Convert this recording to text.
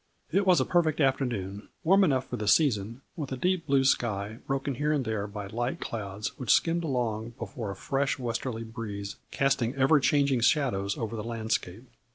It was a perfect afternoon, warm enough for the season, with a deep, blue sky, broken here and there by light clouds which skimmed along before a fresh westerly breeze casting ever changing shadows over the landscape.